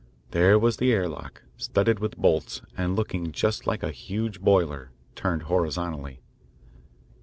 There was the air lock, studded with bolts, and looking just like a huge boiler, turned horizontally.